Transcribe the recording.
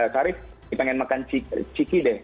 kak arief pengen makan ciki deh